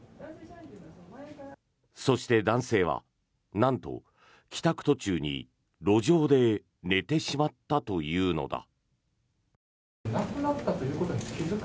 そして、男性はなんと、帰宅途中に路上で寝てしまったというのだ。